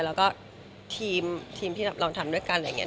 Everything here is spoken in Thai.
แล้วก็ทีมที่เราทำด้วยกัน